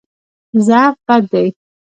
ضعف بد دی.